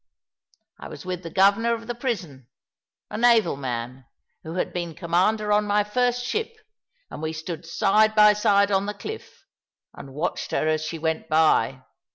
I was with the Governor of the Prison, a naval man, who had been commander on my first ship, and we stood side by side on the cliff, and watched her as she went by.